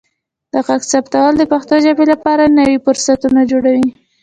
د غږ ثبتول د پښتو ژبې لپاره نوي فرصتونه جوړوي.